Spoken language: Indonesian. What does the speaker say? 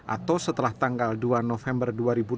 atau setelah tanggal dua november dua ribu delapan belas